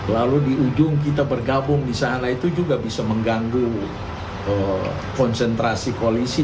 lalu di ujung kita bergabung di sana itu juga bisa mengganggu konsentrasi koalisi